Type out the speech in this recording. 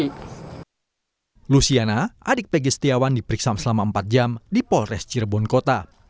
di luciana adik pegi setiawan diperiksa selama empat jam di polres cirebon kota